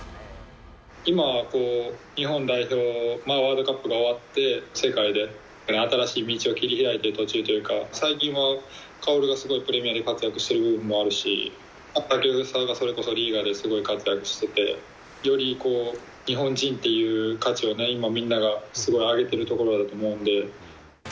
今は、日本代表、ワールドカップが終わって、世界で新しい道を切り開いている途中というか、最近は薫がすごくプレミアで活躍してる部分もあるし、久保建英がそれこそリーガですごい活躍してて、より日本人っていう価値を今、みんながすごい上げているところだと思うので。